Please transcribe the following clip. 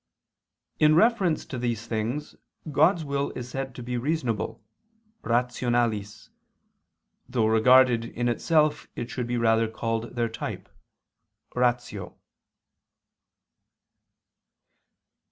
In reference to these things God's will is said to be reasonable (rationalis): though regarded in itself it should rather be called their type (ratio).